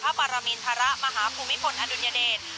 กับปรมีนธรมหาภูมิฝนอดุญเดชน์